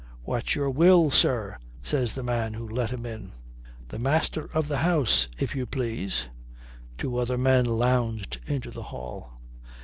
"What's your will, sir?" says the man who let him in. "The master of the house, if you please," Two other men lounged into the hall.